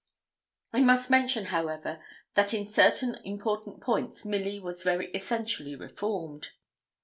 I must mention, however, that in certain important points Milly was very essentially reformed.